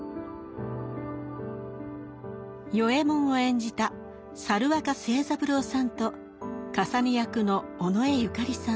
与右衛門を演じた猿若清三郎さんとかさね役の尾上紫さん。